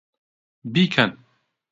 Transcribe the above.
بیکەن!